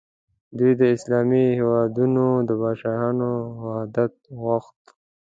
دوی د اسلامي هیوادونو د پاچاهانو وحدت غوښت.